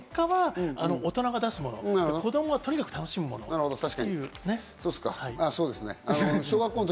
結果は大人が出すもの、子供はとにかく楽しむということ。